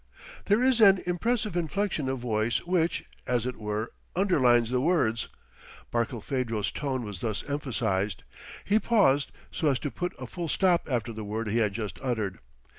There is an impressive inflection of voice which, as it were, underlines the words. Barkilphedro's tone was thus emphasized; he paused, so as to put a full stop after the word he had just uttered.